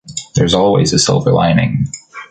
There’s always a silver lining.